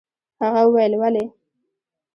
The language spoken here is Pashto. هغه وويل: ولې؟